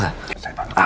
aku masak saja kali ya